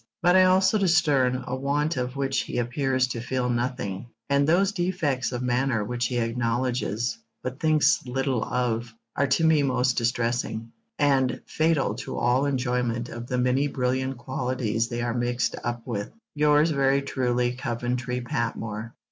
But I also discern a want of which he appears to feel nothing; and those defects of manner which he acknowledges, but thinks little of, are to me most distressing, and fatal to all enjoyment of the many brilliant qualities they are mixed up with. Yours very truly, COVENTRY PATMORE.